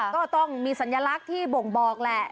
ก็ต้องมีสัญลักษณ์ที่บ่งบอกแหละ